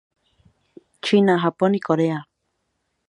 China, Japón y Corea.